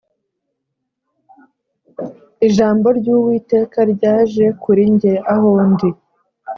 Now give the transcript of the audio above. Ijambo ry’uwiteka ryaje kurinjye ahondi